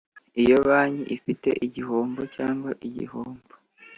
Iyo banki ifite igihombo cyangwa igihombo